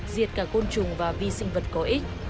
diệt cả côn trùng và vi sinh vật có ích